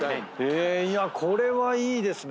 これはいいですね。